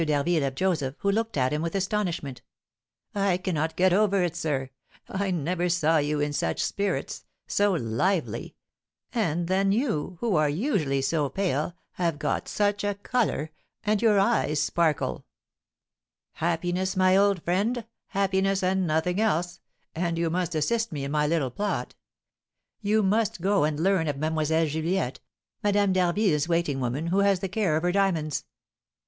d'Harville of Joseph, who looked at him with astonishment. "I cannot get over it, sir; I never saw you in such spirits, so lively; and then you, who are usually so pale, have got such a colour, and your eyes sparkle." "Happiness, my old friend, happiness, and nothing else; and you must assist me in my little plot. You must go and learn of Mlle. Juliette, Madame d'Harville's waiting woman, who has the care of her diamonds."